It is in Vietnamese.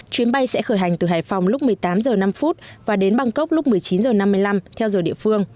chuyến bay sẽ khởi hành từ hải phòng lúc một mươi tám h năm và đến bangkok lúc một mươi chín h năm mươi năm theo giờ địa phương